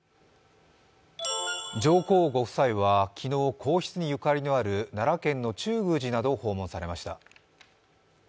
上皇ご夫妻は昨日、皇室にゆかりのある奈良県の中宮寺などを訪問されました。